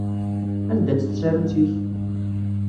Anda-tt tsarut-ik?